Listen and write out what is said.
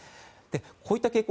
こういった傾向